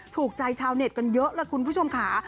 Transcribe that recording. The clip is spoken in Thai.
ถูกใจชาวเน็ตกันเยอะล่ะคุณผู้ชมค่ะ